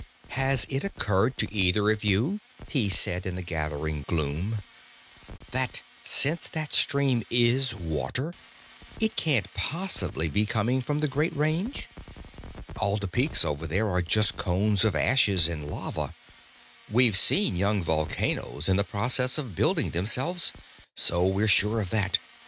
"Has it occurred to either of you," he said in the gathering gloom, "that since that stream is water, it can't possibly be coming from the Great Range? All the peaks over there are just cones of ashes and lava. We've seen young volcanoes in the process of building themselves, so we're sure of that.